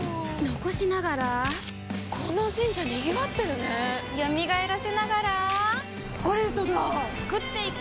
残しながらこの神社賑わってるね蘇らせながらコレドだ創っていく！